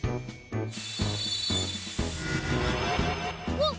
わっ！